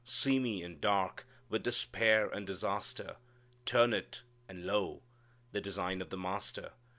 Seamy and dark With despair and disaster, Turn it and lo, The design of the Master.